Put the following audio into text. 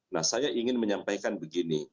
nah saya ingin menyampaikan begini